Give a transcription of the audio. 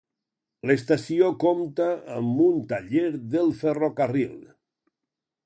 L'estació compta amb un taller del ferrocarril.